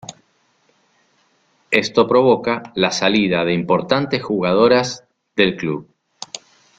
Esto provoca la salida de importantes jugadoras del club.